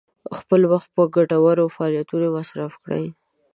خپل وخت په ګټورو فعالیتونو کې مصرف کړئ.